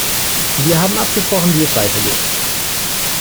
Wir haben abgesprochen, wie es weiter geht.